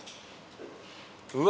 うわ。